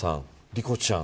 莉子ちゃん